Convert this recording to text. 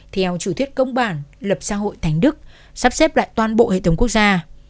theo chủ thuyết công bản lập xã hội thánh đức sắp xếp lại toàn bộ hệ thống quốc gia